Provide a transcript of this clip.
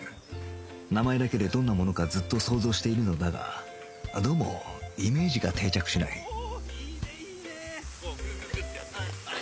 名前だけでどんなものかずっと想像しているのだがどうもイメージが定着しないおおーっ！